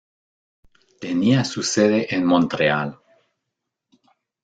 Tenía su sede en Montreal.